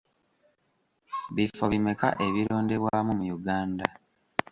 Bifo bimeka ebirondebwamu mu Uganda?